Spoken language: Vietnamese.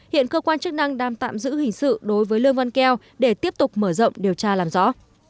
hiện cơ quan chức năng đang tạm giữ hình sự đối với lương văn keo để tiếp tục mở rộng điều tra làm rõ